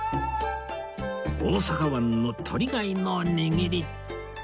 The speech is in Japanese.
大阪湾のとり貝の握り